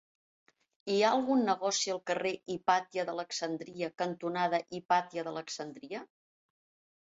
Hi ha algun negoci al carrer Hipàtia d'Alexandria cantonada Hipàtia d'Alexandria?